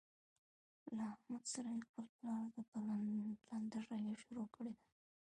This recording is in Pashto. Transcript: له احمد سره یې خپل پلار د پلندر رویه شروع کړې ده.